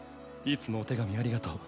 いつもお手紙ありがとう。